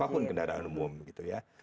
apapun kendaraan umum gitu ya